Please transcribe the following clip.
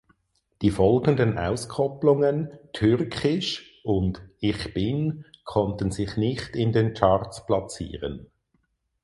Die folgenden Auskopplungen "Türkisch" und "Ich bin" konnten sich nicht in den Charts platzieren.